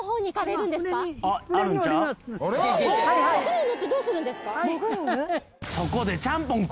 船に乗ってどうするんですか？